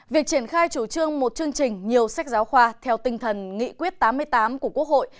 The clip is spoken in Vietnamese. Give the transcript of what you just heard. việc triển khai chủ trương một chương trình nhiều sách giáo khoa theo tinh thần nghị quyết tám mươi tám của quốc hội